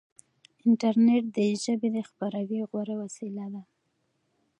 انټرنیټ د ژبې د خپراوي غوره وسیله ده.